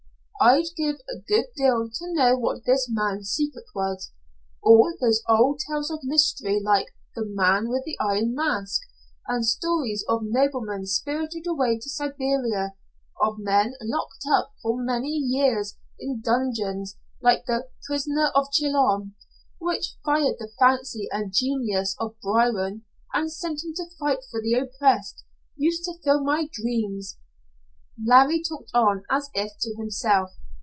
I'd give a good deal to know what this man's secret was. All those old tales of mystery, like 'The Man with the Iron Mask,' and stories of noblemen spirited away to Siberia, of men locked for many years in dungeons, like the 'Prisoner of Chillon,' which fired the fancy and genius of Byron and sent him to fight for the oppressed, used to fill my dreams." Larry talked on as if to himself.